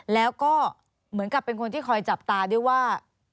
แล้วก็เหมือนกับเป็นคนที่คอยจับตาด้วยว่า